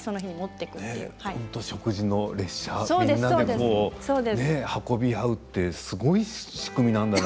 本当に食事の列車みんなで運び合ってすごい仕組みですよね。